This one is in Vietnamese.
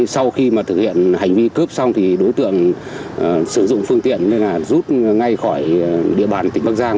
sau khi mà thực hiện hành vi cướp xong đối tượng sử dụng phương tiện rút ngay khỏi địa bàn tỉnh bắc giang